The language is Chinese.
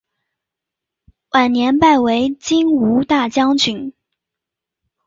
晚年拜为金吾大将军。